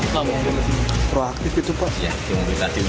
kenapa bawaslu tidak mengirim perwakilan ke bawaslu di lampung